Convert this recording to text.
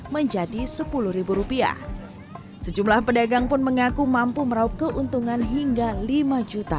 menjadi sepuluh rupiah sejumlah pedagang pun mengaku mampu meraup keuntungan hingga lima juta